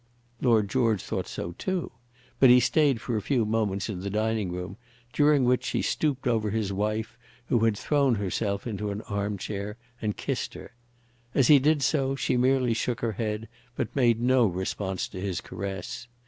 Lord George thought so too; but he stayed for a few moments in the dining room, during which he stooped over his wife, who had thrown herself into an arm chair, and kissed her. As he did so, she merely shook her head, but made no response to his caress.